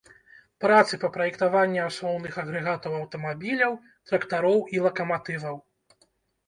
Працы па праектаванні асноўных агрэгатаў аўтамабіляў, трактароў і лакаматываў.